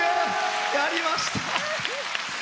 やりました！